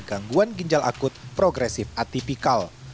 gangguan ginjal akut progresif atipikal